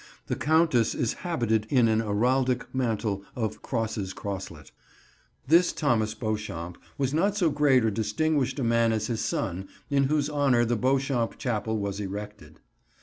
The Countess is habited in an heraldic mantle of crosses crosslet. This Thomas Beauchamp was not so great or distinguished a man as his son, in whose honour the Beauchamp Chapel was erected.